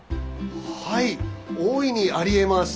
はい大いにありえます。